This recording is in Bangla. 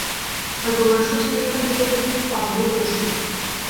অল্পবয়স্ক ছেলেমেয়েরা ভূতের গল্প খুব আগ্রহ করে শোনে।